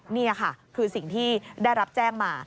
นี่ค่ะคือสิ่งที่ได้รับแจ้งมา